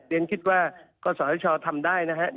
เรียนคิดว่าก็สอทชทำได้นะคะ